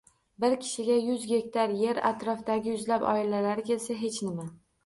Bir kishiga — yuz gektar yer, atrofdagi yuzlab oilalarga esa — hech nima